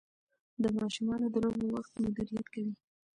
د ماشومانو د لوبو وخت مدیریت کوي.